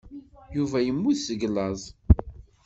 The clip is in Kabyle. Yuba yemmut seg laẓ.